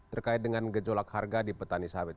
terkait dengan gejolak harga di petani sawit